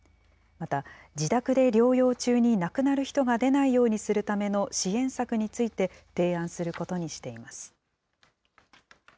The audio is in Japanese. また、自宅で療養中に亡くなる人が出ないようにするための支援策について提案することにしています。